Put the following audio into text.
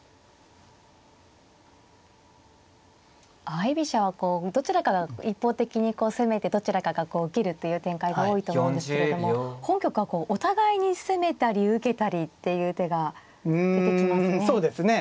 相居飛車はどちらかが一方的に攻めてどちらかが受けるという展開が多いと思うんですけれども本局はお互いに攻めたり受けたりっていう手が出てきますね。